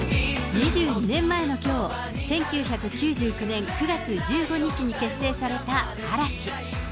２２年前のきょう、１９９９年９月１５日に結成された嵐。